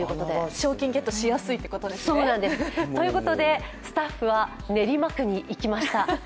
賞金ゲットしやすいということですね。ということで、スタッフは練馬区に行きました。